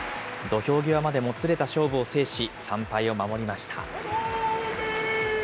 土俵際までもつれた勝負を制し、３敗を守りました。